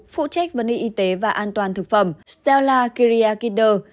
phụ trách vấn đề y tế và an toàn thực phẩm stella kyriakider